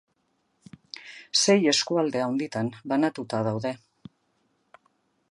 Sei eskualde handitan banatuta daude.